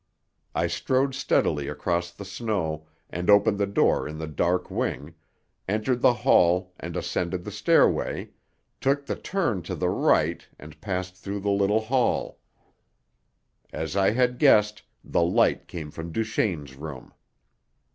I strode steadily across the snow and opened the door in the dark wing, entered the hall and ascended the stairway, took the turn to the right and passed through the little hall. As I had guessed, the light came from Duchaine's room.